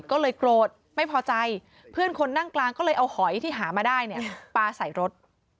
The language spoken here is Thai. ก็เลยโกรธไม่พอใจเพื่อนคนนั่งกลางก็เลยเอาหอยที่หามาได้เนี่ยปลาใส่รถ